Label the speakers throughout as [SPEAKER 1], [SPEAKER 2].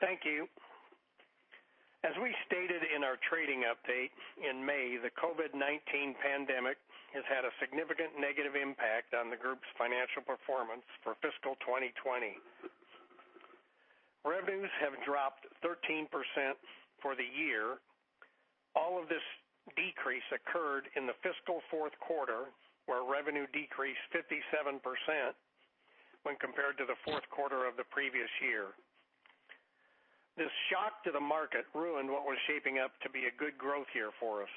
[SPEAKER 1] Thank you. As we stated in our trading update in May, the COVID-19 pandemic has had a significant negative impact on the group's financial performance for fiscal 2020. Revenues have dropped 13% for the year. All of this decrease occurred in the fiscal Q4, where revenue decreased 57% when compared to the Q4 of the previous year. This shock to the market ruined what was shaping up to be a good growth year for us.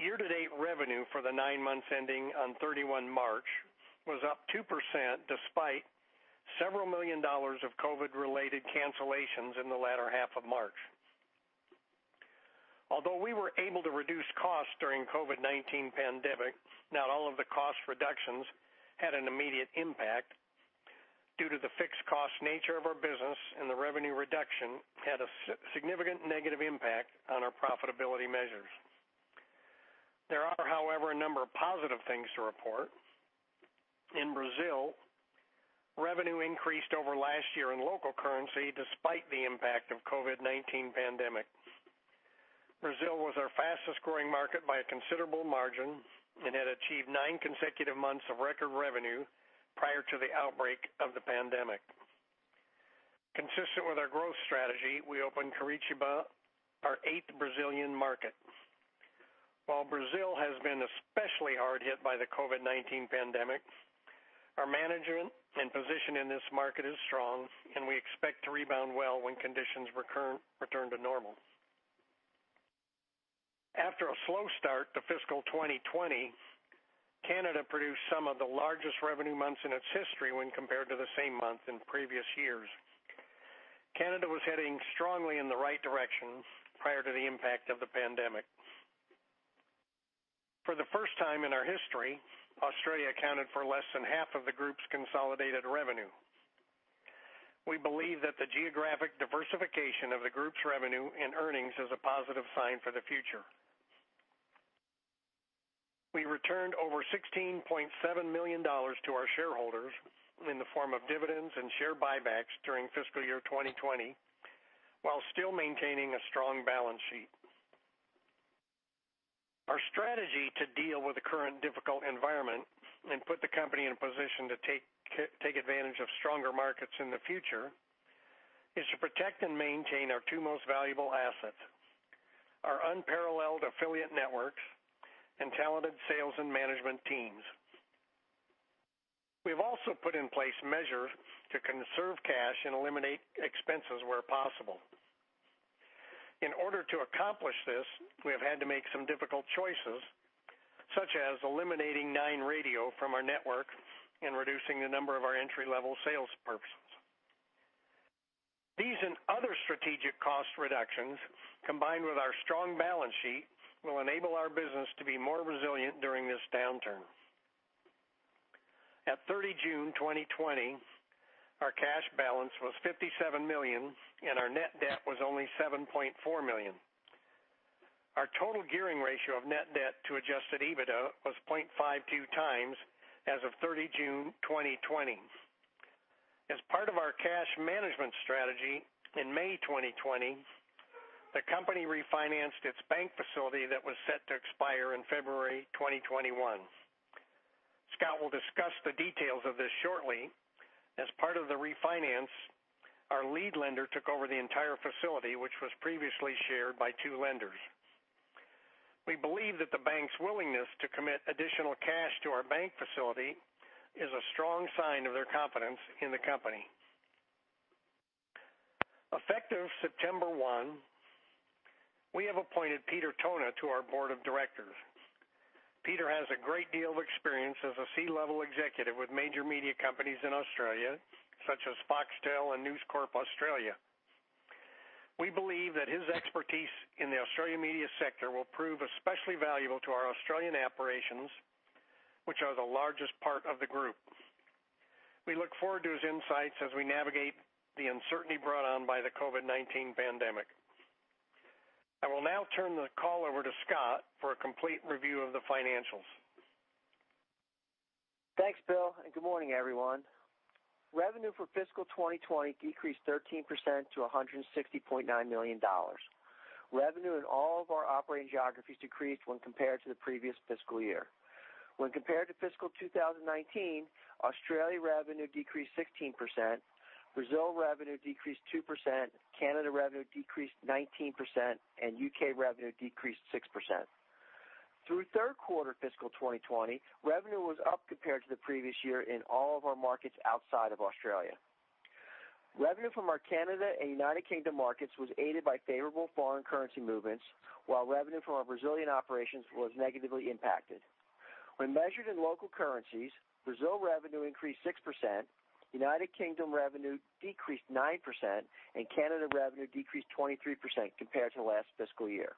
[SPEAKER 1] Year-to-date revenue for the nine months ending on 31 March was up 2%, despite several million AUD of COVID-related cancellations in the latter half of March. Although we were able to reduce costs during COVID-19 pandemic, not all of the cost reductions had an immediate impact due to the fixed cost nature of our business, the revenue reduction had a significant negative impact on our profitability measures. There are, however, a number of positive things to report. In Brazil, revenue increased over last year in local currency, despite the impact of COVID-19 pandemic. Brazil was our fastest-growing market by a considerable margin and had achieved nine consecutive months of record revenue prior to the outbreak of the pandemic. Consistent with our growth strategy, we opened Curitiba, our eighth Brazilian market. While Brazil has been especially hard hit by the COVID-19 pandemic, our management and position in this market is strong, and we expect to rebound well when conditions return to normal. After a slow start to fiscal 2020, Canada produced some of the largest revenue months in its history when compared to the same month in previous years. Canada was heading strongly in the right direction prior to the impact of the pandemic. For the first time in our history, Australia accounted for less than half of the group's consolidated revenue. We believe that the geographic diversification of the group's revenue and earnings is a positive sign for the future. We returned over 16.7 million dollars to our shareholders in the form of dividends and share buybacks during fiscal year 2020, while still maintaining a strong balance sheet. Our strategy to deal with the current difficult environment and put the company in a position to take advantage of stronger markets in the future is to protect and maintain our two most valuable assets, our unparalleled affiliate networks and talented sales and management teams. We've also put in place measures to conserve cash and eliminate expenses where possible. In order to accomplish this, we have had to make some difficult choices, such as eliminating Nine Radio from our network and reducing the number of our entry-level sales persons. These and other strategic cost reductions, combined with our strong balance sheet, will enable our business to be more resilient during this downturn. At 30 June 2020, our cash balance was 57 million, and our net debt was only 7.4 million. Our total gearing ratio of net debt to adjusted EBITDA was zero point five two times as of 30 June 2020. As part of our cash management strategy, in May 2020, the company refinanced its bank facility that was set to expire in February 2021. Scott will discuss the details of this shortly. As part of the refinance, our lead lender took over the entire facility, which was previously shared by two lenders. We believe that the bank's willingness to commit additional cash to our bank facility is a strong sign of their confidence in the company. Effective September one, we have appointed Peter Tonagh to our board of directors. Peter has a great deal of experience as a C-level executive with major media companies in Australia, such as Foxtel and News Corp Australia. We believe that his expertise in the Australian media sector will prove especially valuable to our Australian operations, which are the largest part of the group. We look forward to his insights as we navigate the uncertainty brought on by the COVID-19 pandemic. I will now turn the call over to Scott for a complete review of the financials.
[SPEAKER 2] Thanks, Bill, and good morning, everyone. Revenue for fiscal 2020 decreased 13% to 160.9 million dollars. Revenue in all of our operating geographies decreased when compared to the previous fiscal year. When compared to fiscal 2019, Australia revenue decreased 16%, Brazil revenue decreased 2%, Canada revenue decreased 19%, and U.K. revenue decreased 6%. Through Q3 fiscal 2020, revenue was up compared to the previous year in all of our markets outside of Australia. Revenue from our Canada and United Kingdom markets was aided by favorable foreign currency movements, while revenue from our Brazilian operations was negatively impacted. When measured in local currencies, Brazil revenue increased 6%, United Kingdom revenue decreased 9%, and Canada revenue decreased 23% compared to last fiscal year.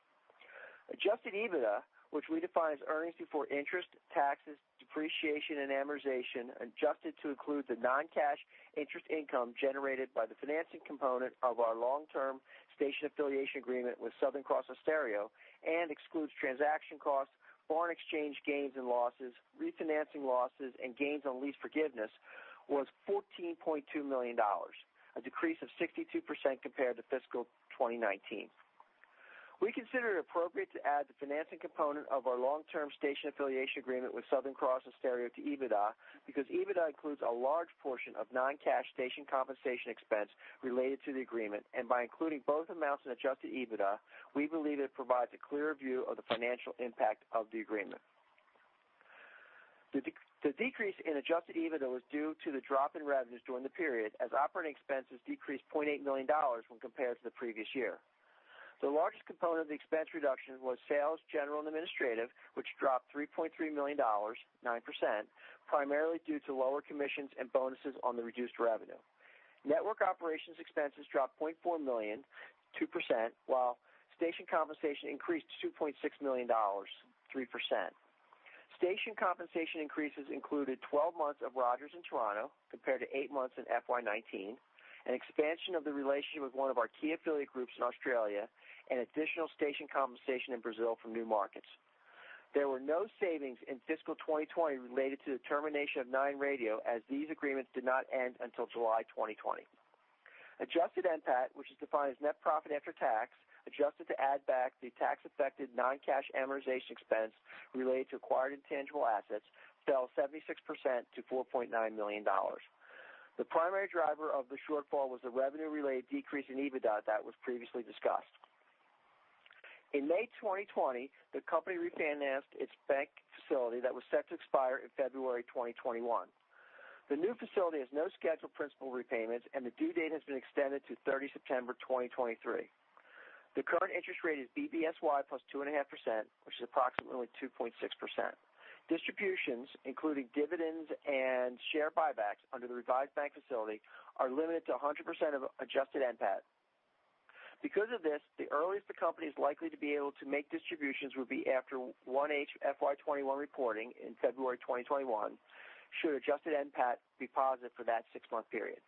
[SPEAKER 2] adjusted EBITDA, which redefines earnings before interest, taxes, depreciation, and amortization, adjusted to include the non-cash interest income generated by the financing component of our long-term station affiliation agreement with Southern Cross Austereo and excludes transaction costs, foreign exchange gains and losses, refinancing losses and gains on lease forgiveness, was 14.2 million dollars, a decrease of 62% compared to fiscal 2019. We consider it appropriate to add the financing component of our long-term station affiliation agreement with Southern Cross Austereo to EBITDA because EBITDA includes a large portion of non-cash station compensation expense related to the agreement. By including both amounts in adjusted EBITDA, we believe it provides a clearer view of the financial impact of the agreement. The decrease in adjusted EBITDA was due to the drop in revenues during the period as operating expenses decreased 0.8 million dollars when compared to the previous year. The largest component of the expense reduction was sales, general, and administrative, which dropped 3.3 million dollars, 9%, primarily due to lower commissions and bonuses on the reduced revenue. Network operations expenses dropped 0.4 million, 2%, while station compensation increased to AUD 2.6 million, 3%. Station compensation increases included 12 months of Rogers in Toronto compared to eight months in FY 2019, an expansion of the relationship with one of our key affiliate groups in Australia, and additional station compensation in Brazil from new markets. There were no savings in fiscal 2020 related to the termination of Nine Radio as these agreements did not end until July 2020. adjusted NPAT, which is defined as net profit after tax, adjusted to add back the tax affected non-cash amortization expense related to acquired intangible assets, fell 76% to 4.9 million dollars. The primary driver of the shortfall was the revenue-related decrease in EBITDA that was previously discussed. In May 2020, the company refinanced its bank facility that was set to expire in February 2021. The new facility has no scheduled principal repayments, and the due date has been extended to 30 September 2023. The current interest rate is BBSY plus 2.5%, which is approximately 2.6%. Distributions, including dividends and share buybacks under the revised bank facility, are limited to 100% of adjusted NPAT. Because of this, the earliest the company is likely to be able to make distributions would be after 1H FY2021 reporting in February 2021, should adjusted NPAT be positive for that six-month period.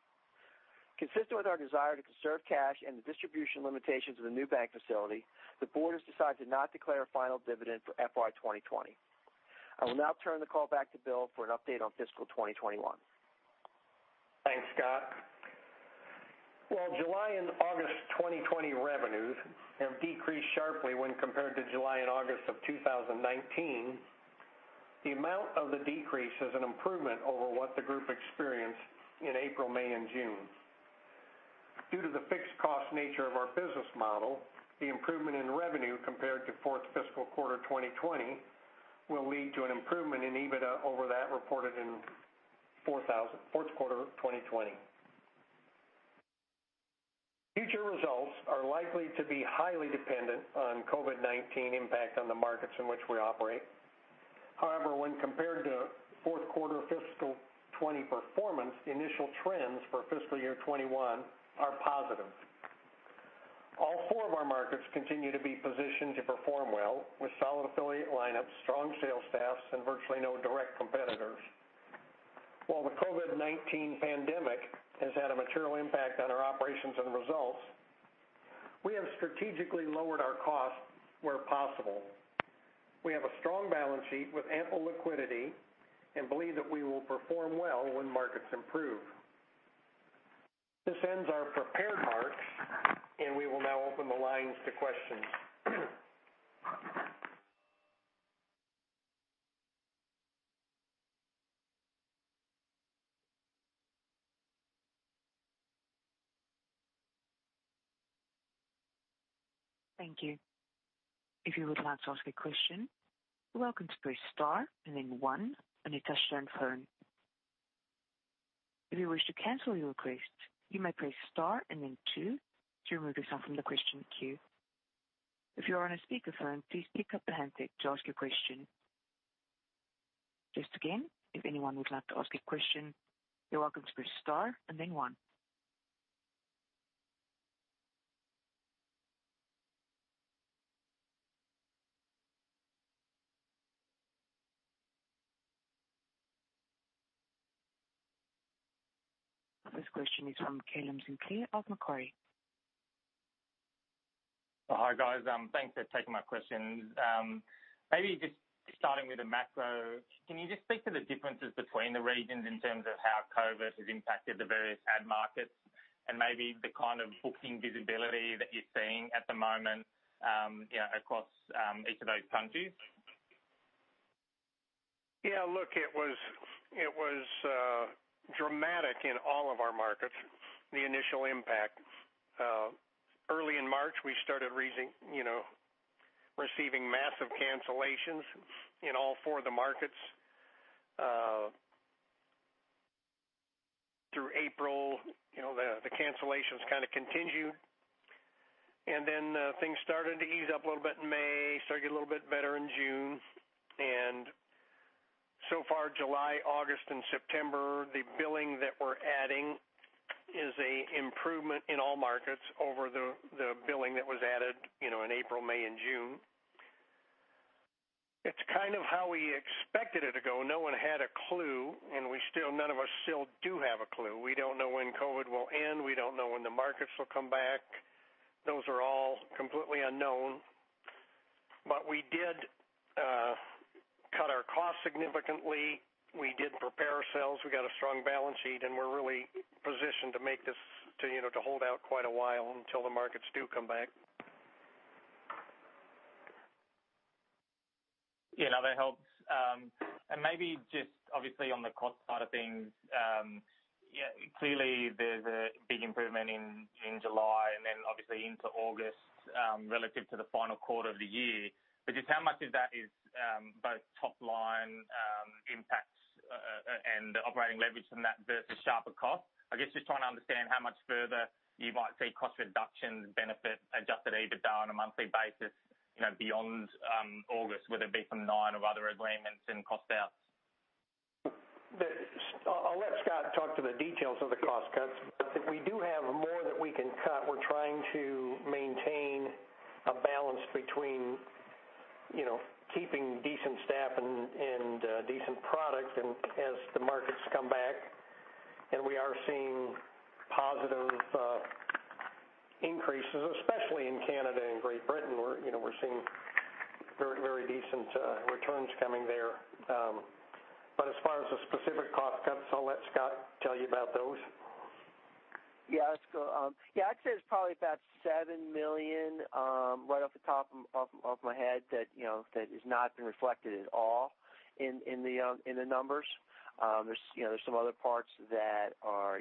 [SPEAKER 2] Consistent with our desire to conserve cash and the distribution limitations of the new bank facility, the board has decided to not declare a final dividend for FY 2020. I will now turn the call back to Bill for an update on fiscal 2021.
[SPEAKER 1] Thanks, Scott. While July and August 2020 revenues have decreased sharply when compared to July and August of 2019, the amount of the decrease is an improvement over what the group experienced in April, May, and June. Due to the fixed cost nature of our business model, the improvement in revenue compared to fourth fiscal quarter 2020 will lead to an improvement in EBITDA over that reported in Q4 2020. Future results are likely to be highly dependent on COVID-19 impact on the markets in which we operate. However, when compared to Q4 fiscal 2020 performance, the initial trends for fiscal year 2021 are positive. All four of our markets continue to be positioned to perform well with solid affiliate lineups, strong sales staffs, and virtually no direct competitors. While the COVID-19 pandemic has had a material impact on our operations and results, we have strategically lowered our costs where possible. We have a strong balance sheet with ample liquidity and believe that we will perform well when markets improve. This ends our prepared remarks, and we will now open the lines to questions.
[SPEAKER 3] Thank you. If you would like to ask a question, you are welcome to press star and then one on your touchtone phone. If you wish to cancel your request, you may press star and the two to remove yourself from the question queue. If youre on a speakerphone, please lift the handset to ask your question. Once again, if anyone would like to ask a question, you are welcome to press star and then one. This question is from Callum Zinkler of Macquarie.
[SPEAKER 4] Hi, guys. Thanks for taking my questions. Maybe just starting with the macro, can you just speak to the differences between the regions in terms of how COVID has impacted the various ad markets and maybe the kind of booking visibility that you're seeing at the moment across each of those countries?
[SPEAKER 1] Yeah, look, it was dramatic in all of our markets, the initial impact. Early in March, we started receiving massive cancellations in all four of the markets. Through April, the cancellations kind of continued, and then things started to ease up a little bit in May, started getting a little bit better in June. So far, July, August, and September, the billing that we're adding is a improvement in all markets over the billing that was added in April, May, and June. It's kind of how we expected it to go. No one had a clue, and none of us still do have a clue. We don't know when COVID will end. We don't know when the markets will come back. Those are all completely unknown. We did our costs significantly. We did prepare ourselves. We got a strong balance sheet, and we're really positioned to make this to hold out quite a while until the markets do come back.
[SPEAKER 4] Yeah, that helps. Maybe just obviously on the cost side of things, clearly there's a big improvement in July and then obviously into August, relative to the final quarter of the year. Just how much of that is both top-line impacts and operating leverage from that versus sharper costs? I guess just trying to understand how much further you might see cost reductions benefit adjusted EBITDA on a monthly basis beyond August, whether it be from nine or other agreements and cost outs.
[SPEAKER 1] I'll let Scott talk to the details of the cost cuts. If we do have more that we can cut, we're trying to maintain a balance between keeping decent staff and decent product as the markets come back. And we are seeing positive increases, especially in Canada and Great Britain. We're seeing very decent returns coming there. As far as the specific cost cuts, I'll let Scott tell you about those.
[SPEAKER 2] Yeah. I'd say it's probably about 7 million, right off the top of my head, that has not been reflected at all in the numbers. There's some other parts that are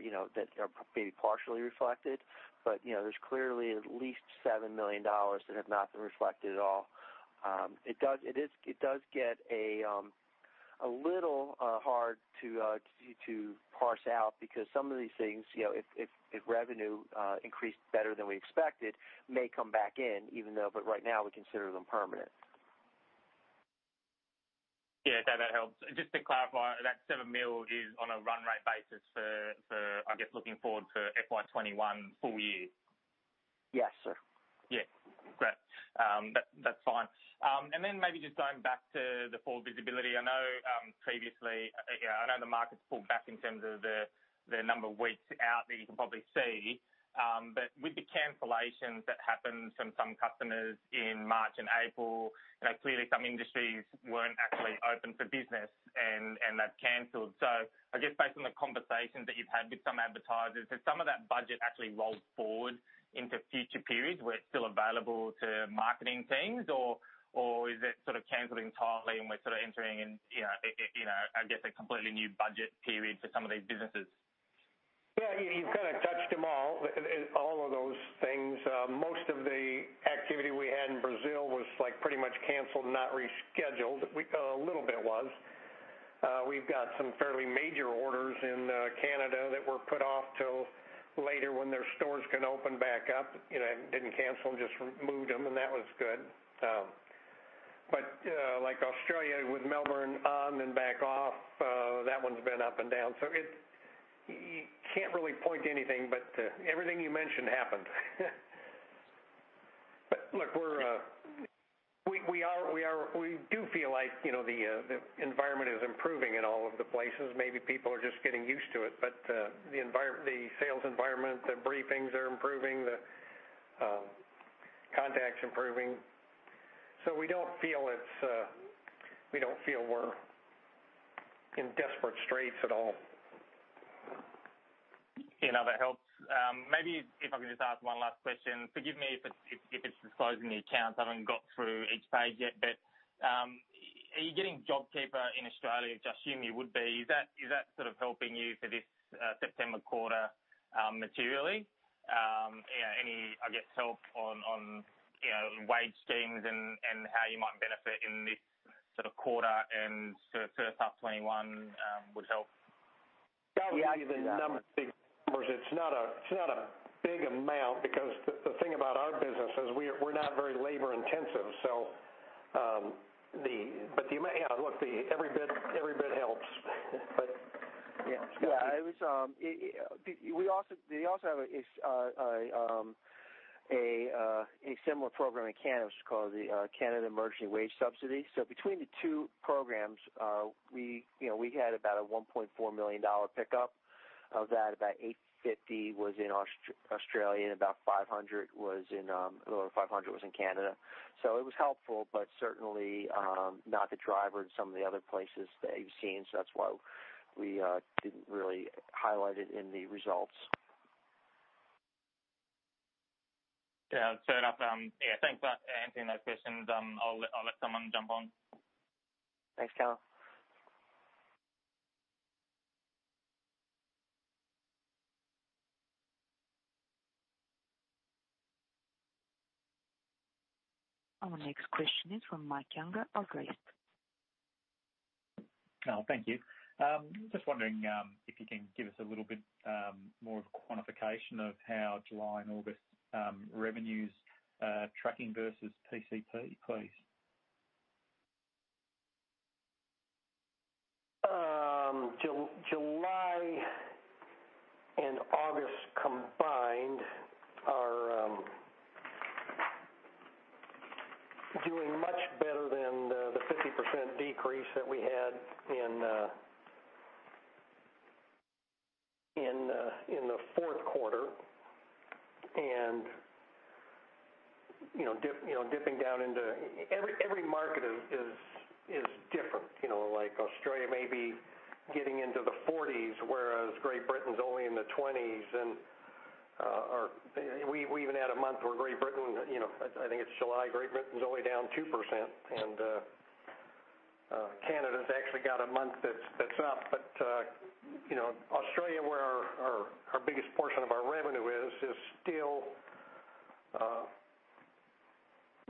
[SPEAKER 2] maybe partially reflected. There's clearly at least 7 million dollars that have not been reflected at all. It does get a little hard to parse out because some of these things, if revenue increased better than we expected, may come back in, even though, but right now we consider them permanent.
[SPEAKER 4] Yeah, that helps. Just to clarify, that 7 million is on a run rate basis for, I guess, looking forward for FY 2021 full year?
[SPEAKER 2] Yes, sir.
[SPEAKER 4] Yeah. Great. That's fine. And maybe just going back to the forward visibility. I know previously, I know the market's pulled back in terms of the number of weeks out that you can probably see. With the cancellations that happened from some customers in March and April, clearly some industries weren't actually open for business, and they've canceled. I guess based on the conversations that you've had with some advertisers, has some of that budget actually rolled forward into future periods where it's still available to marketing teams? Or is it sort of canceled entirely, and we're sort of entering in, I guess, a completely new budget period for some of these businesses?
[SPEAKER 1] Yeah, you've kind of touched them all of those things. Most of the activity we had in Brazil was pretty much canceled, not rescheduled. A little bit was. We've got some fairly major orders in Canada that were put off till later when their stores can open back up. Didn't cancel, just moved them, and that was good. Like Australia with Melbourne on then back off, that one's been up and down. You can't really point to anything, but everything you mentioned happened. Look, we do feel like the environment is improving in all of the places. Maybe people are just getting used to it. The sales environment, the briefings are improving, the contacts improving. So we don't feel we're in desperate straits at all.
[SPEAKER 4] That helps. Maybe if I can just ask one last question. Forgive me if it's disclosing the accounts. I haven't got through each page yet. Are you getting JobKeeper in Australia? I'd assume you would be. Is that sort of helping you for this September quarter materially? Any, I guess, help on wage schemes and how you might benefit in this sort of quarter and sort of H1 2021 would help.
[SPEAKER 1] That would be the numbers. It is not a big amount because the thing about our business is we are not very labor-intensive. So, but every bit helps. Yeah, Scott.
[SPEAKER 2] We also have a similar program in Canada called the Canada Emergency Wage Subsidy. Between the two programs, we had about a 1.4 million dollar pickup. Of that, about 850 was in Australia, and about 500 was in Canada. It was helpful, but certainly not the driver in some of the other places that you've seen. That's why we didn't really highlight it in the results.
[SPEAKER 4] Yeah, fair enough. Yeah, thanks for answering those questions. I'll let someone jump on.
[SPEAKER 2] Thanks, Zinkler.
[SPEAKER 3] Our next question is from Mike Younger of REST Super.
[SPEAKER 5] Callum, thank you. Just wondering if you can give us a little bit more of a quantification of how July and August revenues are tracking versus PCP, please.
[SPEAKER 1] July and August combined are doing much better than the 50% decrease that we had in the Q4, dipping down into. Every market is different. Australia may be getting into the 40s, whereas Great Britain's only in the 20s, and we even had a month where Great Britain, I think it's July, Great Britain's only down 2%, and Canada's actually got a month that's up. Australia, where our biggest portion of our revenue is still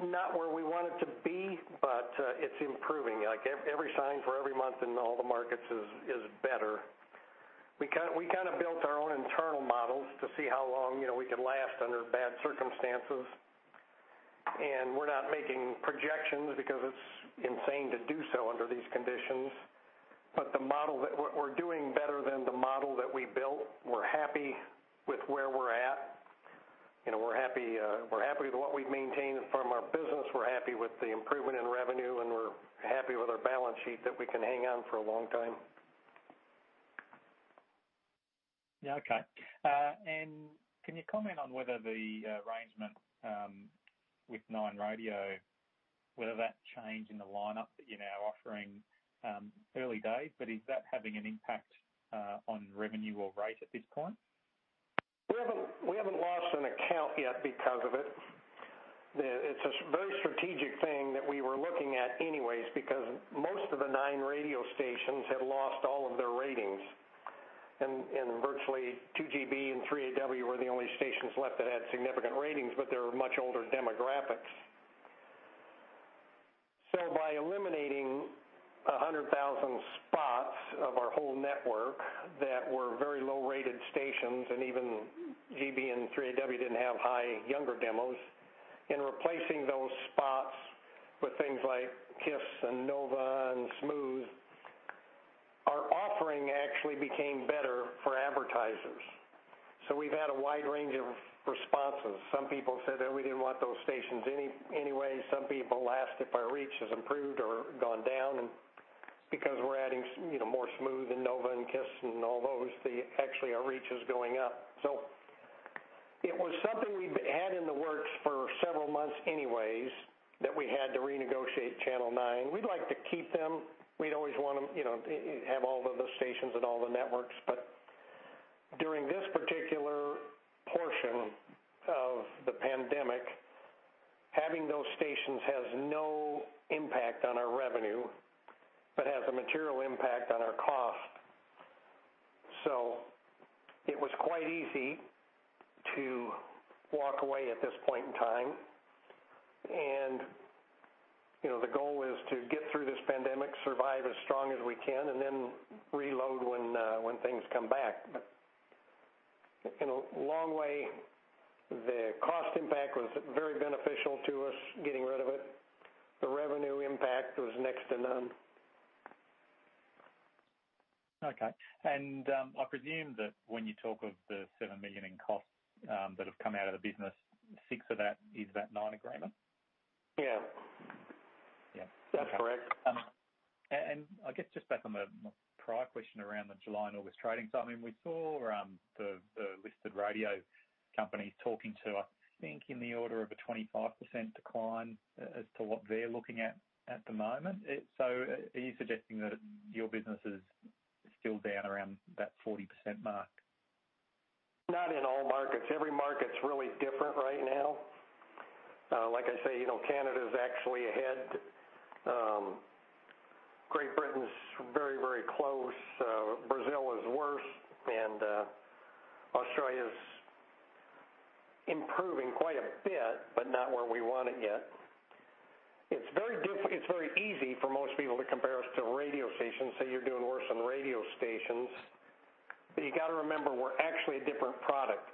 [SPEAKER 1] not where we want it to be, but it's improving. Every sign for every month in all the markets is better. We can built our own internal models to see how long we could last under bad circumstances. We're not making projections because it's insane to do so under these conditions. We're doing better than the model that we built. We're happy with where we're at, and we're happy with what we've maintained from our business. We're happy with the improvement in revenue, and we're happy with our balance sheet that we can hang on for a long time.
[SPEAKER 5] Yeah, okay. Can you comment on whether the arrangement with Nine Radio, whether that change in the lineup that you're now offering, early days, but is that having an impact on revenue or rate at this point?
[SPEAKER 1] We haven't lost an account yet because of it. It's a very strategic thing that we were looking at anyways because most of the Nine radio stations had lost all of their ratings, and virtually 2GB and 3AW were the only stations left that had significant ratings, but they were much older demographics. By eliminating 100,000 spots of our whole network that were very low-rated stations, and even GB and 3AW didn't have high younger demos, and replacing those spots with things like KIIS and Nova and Smooth, our offering actually became better for advertisers. So we've had a wide range of responses. Some people said that we didn't want those stations anyway. Some people asked if our reach has improved or gone down, and because we're adding more Smooth and Nova and KIIS and all those, actually, our reach is going up. It was something we'd had in the works for several months anyways, that we had to renegotiate Channel Nine. We'd like to keep them. We'd always want to have all of the stations and all the networks, but during this particular portion of the pandemic, having those stations has no impact on our revenue, but has a material impact on our cost. So it was quite easy to walk away at this point in time, and the goal is to get through this pandemic, survive as strong as we can, and then reload when things come back. In a long way, the cost impact was very beneficial to us getting rid of it. The revenue impact was next to none.
[SPEAKER 5] Okay. And I presume that when you talk of the 7 million in costs that have come out of the business, AUD six of that is that Nine agreement?
[SPEAKER 1] Yeah.
[SPEAKER 5] Yeah.
[SPEAKER 1] That's correct.
[SPEAKER 5] And I guess just back on the prior question around the July and August trading. We saw the listed radio companies talking to, I think, in the order of a 25% decline as to what they're looking at the moment. Are you suggesting that your business is still down around that 40% mark?
[SPEAKER 1] Not in all markets. Every market's really different right now. Like I say, Canada's actually ahead. Great Britain's very close. Brazil is worse, and Australia's improving quite a bit, but not where we want it yet. It's very easy for most people to compare us to radio stations, say you're doing worse than radio stations. You got to remember, we're actually a different product.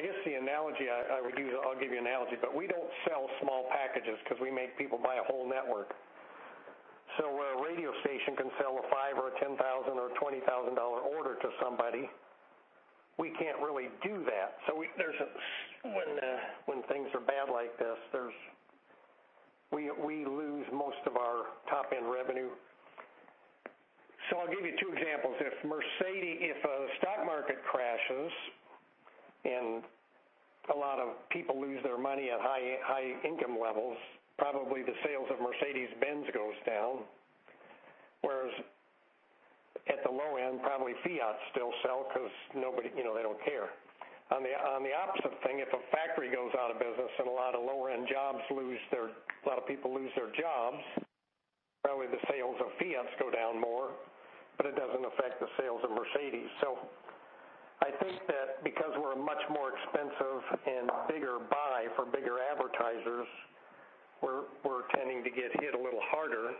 [SPEAKER 1] I guess the analogy I would use, I'll give you analogy, but we don't sell small packages because we make people buy a whole network. So where a radio station can sell a five or a 10,000 or a 20,000 dollar order to somebody, we can't really do that. When things are bad like this, we lose most of our top-end revenue. I'll give you two examples. If a stock market crashes, and a lot of people lose their money at high income levels, probably the sales of Mercedes-Benz goes down. Whereas at the low end, probably Fiat still sell because they don't care. On the opposite thing, if a factory goes out of business and a lot of people lose their jobs, probably the sales of Fiat go down more, but it doesn't affect the sales of Mercedes. I think that because we're a much more expensive and bigger buy for bigger advertisers, we're tending to get hit a little harder.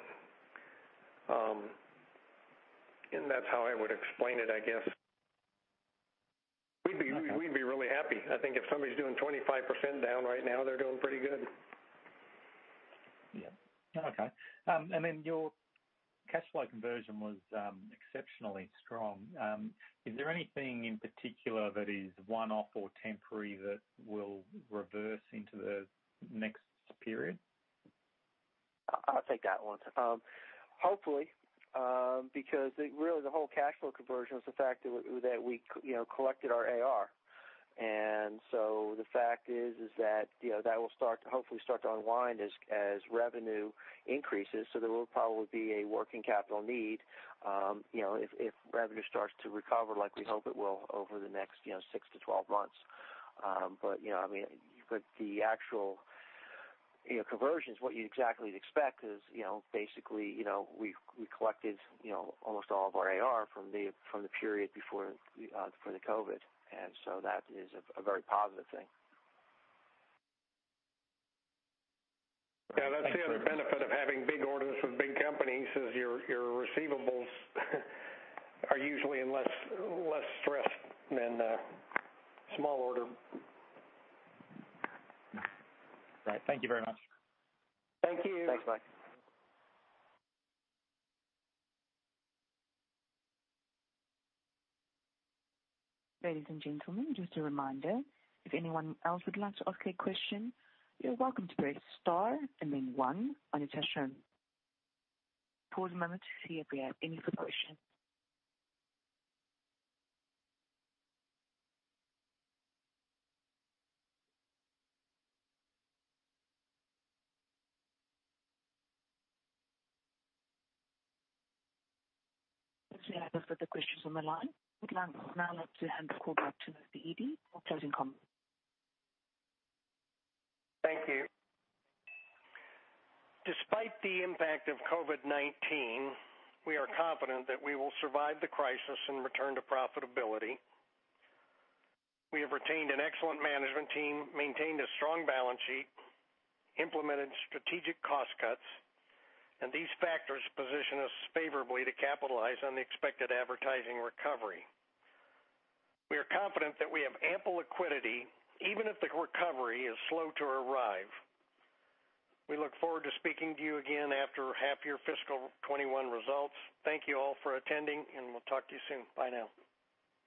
[SPEAKER 1] That's how I would explain it, I guess. We'd be really happy. I think if somebody's doing 25% down right now, they're doing pretty good.
[SPEAKER 5] Yeah. Okay. Then your cash flow conversion was exceptionally strong. Is there anything in particular that is one-off or temporary that will reverse into the next period?
[SPEAKER 2] I'll take that one. Hopefully, because really the whole cash flow conversion is the fact that we collected our AR. The fact is that will hopefully start to unwind as revenue increases. There will probably be a working capital need, if revenue starts to recover like we hope it will over the next six to 12 months. The actual conversions, what you'd exactly expect is basically, we collected almost all of our AR from the period before the COVID-19, and so that is a very positive thing.
[SPEAKER 1] That's the other benefit of having big orders with big companies is your receivables are usually in less stress than a small order.
[SPEAKER 5] Right. Thank you very much.
[SPEAKER 1] Thank you.
[SPEAKER 2] Thanks, Mike.
[SPEAKER 3] Ladies and gentlemen, just a reminder, if anyone else would like to ask a question, you're welcome to press star and then one on your touchtone. Pause a moment to see if we have any further questions. As we have no further questions on the line, we'd now like to hand the call back to the Yde for closing comments.
[SPEAKER 1] Thank you. Despite the impact of COVID-19, we are confident that we will survive the crisis and return to profitability. We have retained an excellent management team, maintained a strong balance sheet, implemented strategic cost cuts, and these factors position us favorably to capitalize on the expected advertising recovery. We are confident that we have ample liquidity, even if the recovery is slow to arrive. We look forward to speaking to you again after half year fiscal 21 results. Thank you all for attending, and we'll talk to you soon. Bye now.